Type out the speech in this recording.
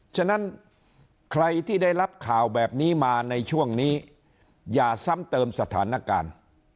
ฉะนั้นใครที่ได้รับข่าวแบบนี้มาในช่วงนี้อย่าซ้ำเติมสถานการณ์